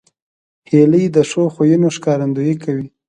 هیلۍ د ښو خویونو ښکارندویي کوي